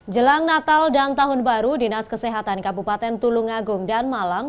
jelang natal dan tahun baru dinas kesehatan kabupaten tulungagung dan malang